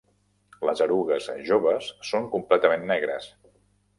Les erugues joves són completament negres.